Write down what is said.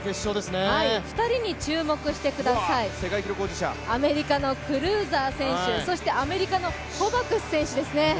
２人に注目してください、アメリカのクルーザー選手、そしてアメリカのコバクス選手ですね。